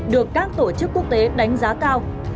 được các tổ chức quốc tế đánh giá cao